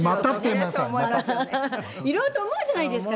いろいろと思うじゃないですか。